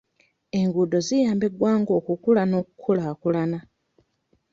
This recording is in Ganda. Enguuddo ziyamba eggwanga okukula n'okukulaakulana.